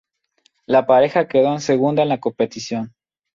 La pareja quedó segunda en la competición.